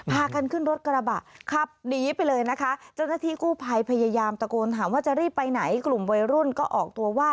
พากันขึ้นรถกระบะครับหนีไปเลยนะคะ